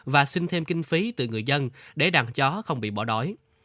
và xin thêm kinh phí từ người dân để đàn chó không bị bỏ đói